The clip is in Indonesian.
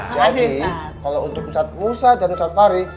jadi kalau untuk ustadz musa dan ustadz fahri